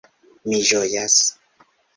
Mi ĝojas.